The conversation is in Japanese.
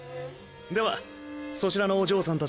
ではそちらのお嬢さんたちも。